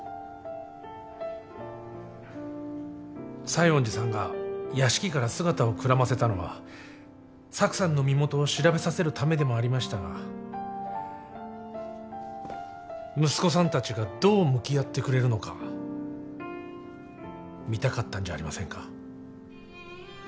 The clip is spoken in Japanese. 西園寺さんが屋敷から姿をくらませたのはサクさんの身元を調べさせるためでもありましたが息子さんたちがどう向き合ってくれるのか見たかったんじゃありませんか？